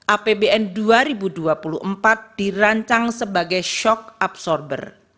apbn dua ribu dua puluh empat dirancang sebagai shock absorber